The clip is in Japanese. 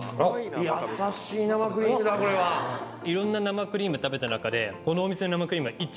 いろんな生クリーム食べた中でこのお店の生クリームが。